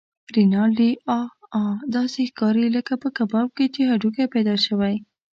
رینالډي: اه اه! داسې ښکارې لکه په کباب کې چې هډوکی پیدا شوی.